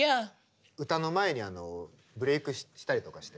歌の前にブレークしたりとかして。